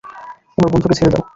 আমার বন্ধুকে ছেড়ে দাও।